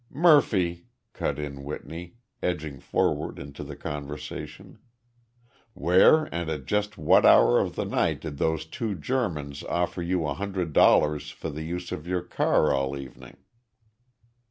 "Murphy," cut in Whitney, edging forward into the conversation, "where and at just what hour of the night did those two Germans offer you a hundred dollars for the use of your car all evening?"